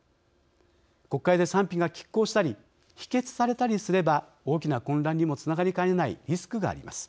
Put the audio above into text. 国会で賛否がきっ抗したり否決されたりすれば大きな混乱にもつながりかねないリスクがあります。